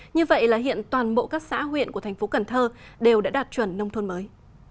như vậy là hiện toàn bộ các xã huyện của thành phố cần thơ đều đã đạt chuẩn nông thôn mới